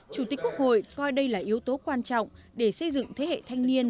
chủ tịch quốc hội coi đây là yếu tố quan trọng để xây dựng thế hệ thanh niên